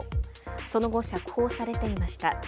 その後、釈放されていました。